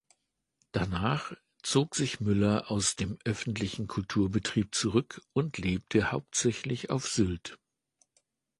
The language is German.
Danach zog sich Mueller aus dem öffentlichen Kulturbetrieb zurück und lebte hauptsächlich auf Sylt.